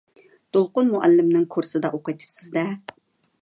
دولقۇن مۇئەللىمنىڭ كۇرسىدا ئوقۇۋېتىپسىز-دە.